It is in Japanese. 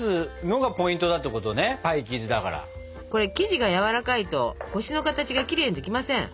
これ生地がやわらかいと星の形がキレイにできません。